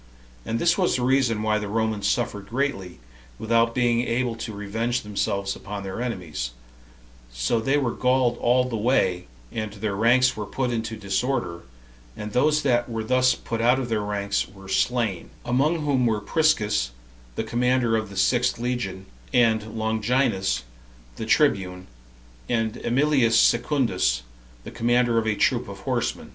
And this was the reason why the Romans suffered greatly, without being able to revenge themselves upon their enemies; so they were galled all the way, and their ranks were put into disorder, and those that were thus put out of their ranks were slain; among whom were Priscus, the commander of the sixth legion, and Longinus, the tribune, and Emilius Secundus, the commander of a troop of horsemen.